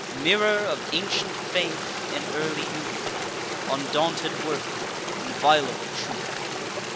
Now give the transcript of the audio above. Mirror of ancient faith in early youth! Undaunted worth, inviolable truth!